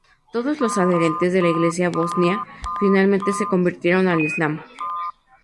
Todos los adherentes de la Iglesia bosnia finalmente se convirtieron al Islam.